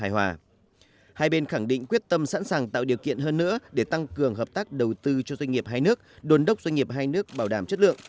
hơn nữa để tăng cường hợp tác đầu tư cho doanh nghiệp hai nước đồn đốc doanh nghiệp hai nước bảo đảm chất lượng